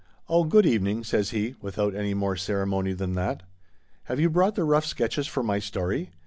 i Oh, good evening,' says he, without any more ceremony than that ; c have you brought the rough sketches for my story